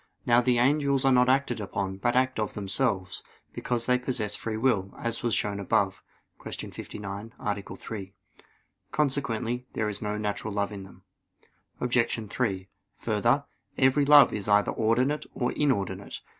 Now the angels are not acted upon, but act of themselves; because they possess free will, as was shown above (Q. 59, A. 3). Consequently there is no natural love in them. Obj. 3: Further, every love is either ordinate or inordinate.